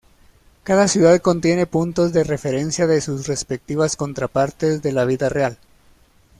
Cada ciudad contiene puntos de referencia de sus respectivas contrapartes de la vida real.